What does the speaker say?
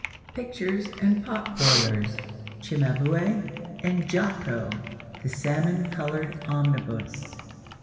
—PICTURES AND POT BOILERS.—CIMABUE AND GIOTTO.—THE SALMON COLORED OMNIBUS.